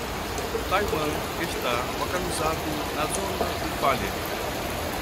Taiwan está localizado na zona de falha